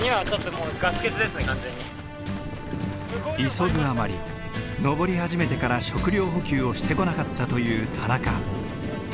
急ぐあまり登り始めてから食糧補給をしてこなかったという田中。